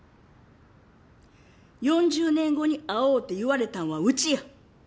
４０年後に会おうって言われたんはウチや！